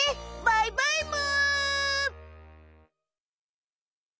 バイバイむ！